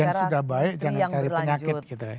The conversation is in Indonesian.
yang sudah baik jangan cari penyakit gitu ya